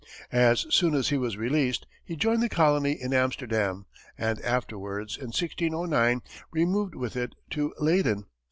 As soon as he was released, he joined the colony in Amsterdam, and afterwards, in 1609, removed with it to Leyden.